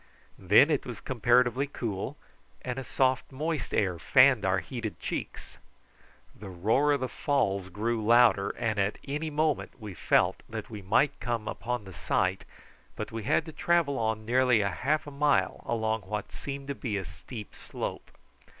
Then it was comparatively cool, and a soft moist air fanned our heated cheeks. The roar of the falls grew louder, and at any moment we felt that we might come upon the sight, but we had to travel on nearly half a mile along what seemed to be a steep slope.